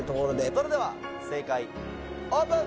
それでは正解オープン！